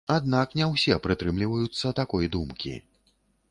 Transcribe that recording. Аднак не ўсе прытрымліваюцца такой думкі.